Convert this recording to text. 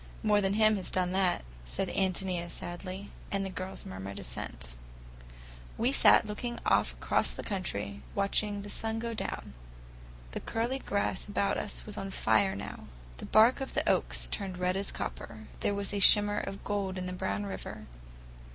"More than him has done that," said Ántonia sadly, and the girls murmured assent. We sat looking off across the country, watching the sun go down. The curly grass about us was on fire now. The bark of the oaks turned red as copper. There was a shimmer of gold on the brown river.